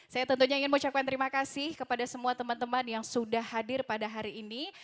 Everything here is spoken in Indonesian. saya tentunya ingin mengucapkan terima kasih kepada semua teman teman yang sudah hadir pada hari ini